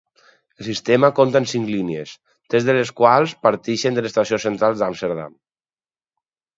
El sistema compta amb cinc línies, tres de les quals parteixen de l'Estació Central d'Amsterdam.